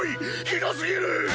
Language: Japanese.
ひどすぎる！